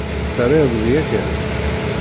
Terriḍ-d yakan?